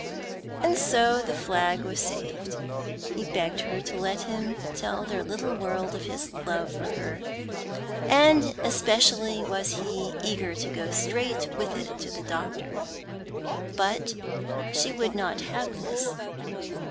And so the flag was saved. He begged her to let him tell their little world of his love for her, and especially was he eager to go straight with it to the doctor. But she would not have this.